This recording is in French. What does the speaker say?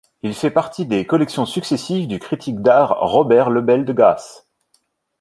Il fait partie des collections successives du critique d'art Robert Lebel et de Gas.